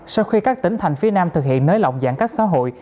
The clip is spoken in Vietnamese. sau khi các tỉnh thành phía nam thực hiện nới lỏng giãn cách xã hội